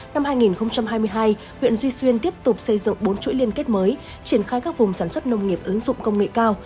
năm hai nghìn hai mươi hai huyện duy xuyên tiếp tục xây dựng bốn chuỗi liên kết mới triển khai các vùng sản xuất nông nghiệp ứng dụng công nghệ cao